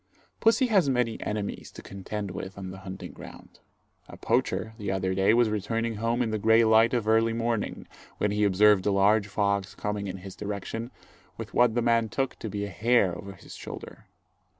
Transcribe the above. Pussy has many enemies to contend with on the hunting ground. A poacher, the other day, was returning home in the grey light of early morning, when he observed a large fox coming in his direction, with what the man took to be a hare over his shoulder.